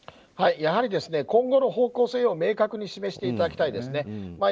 今後の方向性を明確に示していただきたいですね。